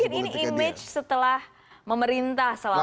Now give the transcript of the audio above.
atau mungkin ini image setelah memerintah selama lima tahun